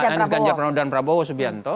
anies ganjar pranowo dan prabowo subianto